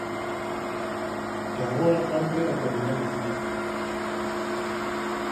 E agora cómpre aprender a cociñar.